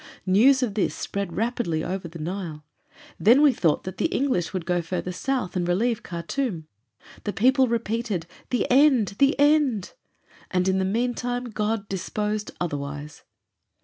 News of this spread rapidly over the Nile. Then we thought that the English would go farther south and relieve Khartûm. The people repeated, 'The end! the end!' And in the meantime God disposed otherwise."